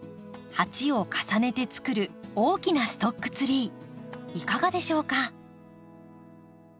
鉢を重ねてつくる大きなストックツリーいかがでしょうか？